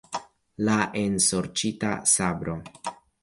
La ensorĉita sabro.